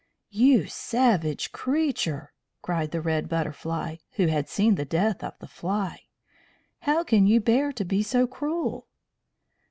"You savage creature!" cried the Red Butterfly, who had seen the death of the fly. "How can you bear to be so cruel?"